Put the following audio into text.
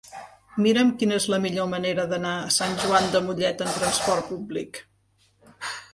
Mira'm quina és la millor manera d'anar a Sant Joan de Mollet amb trasport públic.